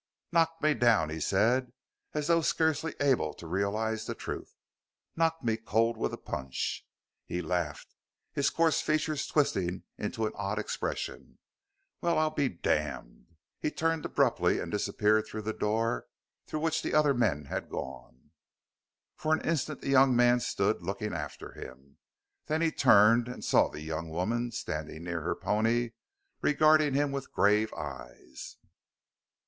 "Knocked me down!" he said as though scarcely able to realize the truth; "knocked me cold with a punch!" He laughed, his coarse features twisting into an odd expression. "Well, I'll be damned!" He turned abruptly and disappeared through the door through which the other men had gone. For an instant the young man stood, looking after him. Then he turned and saw the young woman, standing near her pony, regarding him with grave eyes.